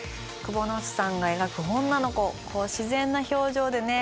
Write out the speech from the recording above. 窪之内さんが描く女の子自然な表情でね